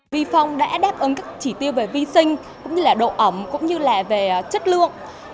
vifong đã đáp ứng các chỉ tiêu về vi sinh độ ẩm chất lượng